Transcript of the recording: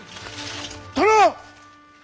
殿！